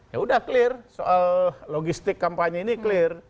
ya udah clear soal logistik kampanye ini clear